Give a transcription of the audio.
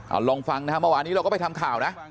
เอาลองฟังนะฮะเมื่อวานนี้เราก็ไปทำข่าวนะ